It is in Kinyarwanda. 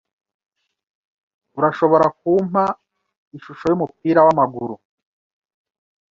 Urashobora kumpa ishusho yumupira wamaguru?